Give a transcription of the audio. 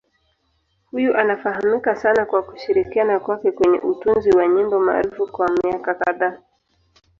Huyu anafahamika sana kwa kushirikiana kwake kwenye utunzi wa nyimbo maarufu kwa miaka kadhaa.